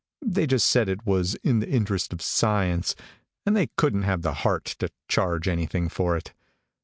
They just said it was in the interest of science, and they couldn't have the heart to charge anything for it.